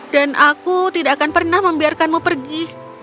dan aku tidak akan pernah membiarkanmu pergi